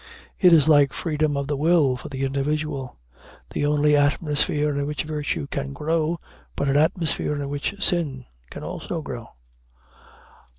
It is like freedom of the will for the individual the only atmosphere in which virtue can grow, but an atmosphere in which sin can also grow.